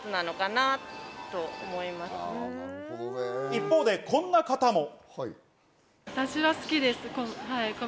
一方で、こんな方も。